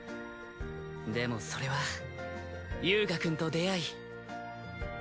でもそれは遊我くんと出会い。